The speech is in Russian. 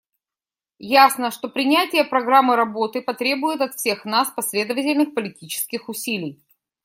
Ясно, что принятие программы работы потребует от всех нас последовательных политических усилий.